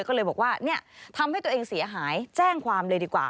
ก็เลยบอกว่าเนี่ยทำให้ตัวเองเสียหายแจ้งความเลยดีกว่า